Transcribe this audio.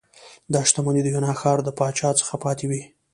دا شتمنۍ د یونا ښار د پاچا څخه پاتې وې